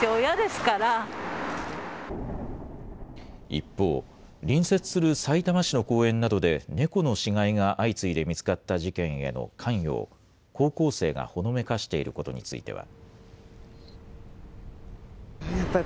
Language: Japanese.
一方、隣接するさいたま市の公園などで、猫の死骸が相次いで見つかった事件への関与を高校生がほのめかしていることについては。